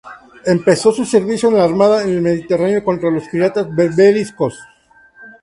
Empezó su servicio en la Armada en el Mediterráneo contra los piratas berberiscos.